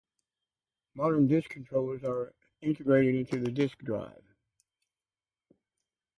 Modern disk controllers are integrated into the disk drive.